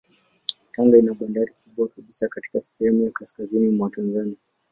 Tanga ina bandari kubwa kabisa katika sehemu ya kaskazini mwa Tanzania.